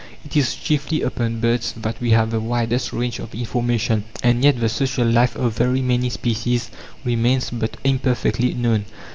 It is chiefly upon birds that we have the widest range of information, and yet the social life of very many species remains but imperfectly known.